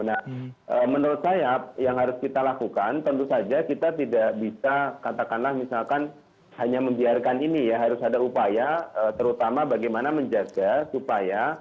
nah menurut saya yang harus kita lakukan tentu saja kita tidak bisa katakanlah misalkan hanya membiarkan ini ya harus ada upaya terutama bagaimana menjaga supaya